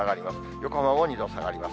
横浜も２度下がります。